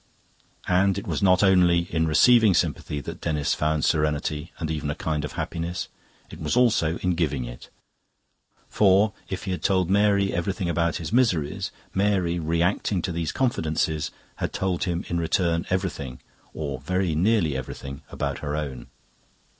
And it was not only in receiving sympathy that Denis found serenity and even a kind of happiness; it was also in giving it. For if he had told Mary everything about his miseries, Mary, reacting to these confidences, had told him in return everything, or very nearly everything, about her own.